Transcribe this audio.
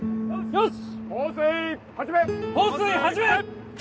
よし！